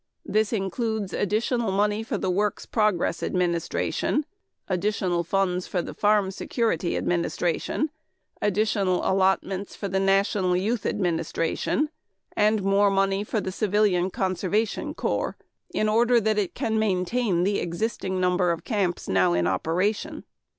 That includes additional money for the Works Progress Administration; additional funds for the Farm Security Administration; additional allotments for the national Youth Administration, and more money for the Civilian Conservation Corps, in order that it can maintain the existing number of camps now in operation.